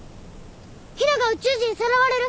陽菜が宇宙人にさらわれる！